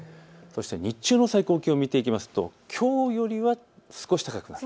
日中の最高気温見ていきますときょうよりは少し高くなる。